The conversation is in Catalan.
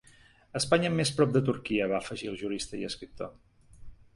Espanya més prop de Turquia, va afegir el jurista i escriptor.